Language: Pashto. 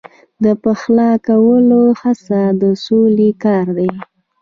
د پخلا کولو هڅه د سولې کار دی.